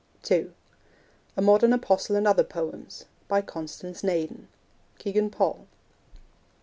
(2) A Modern Apostle and Other Poems. By Constance Naden. (Kegan Paul.)